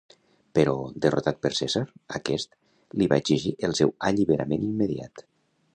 Però derrotat per Cèsar, aquest li va exigir el seu alliberament immediat.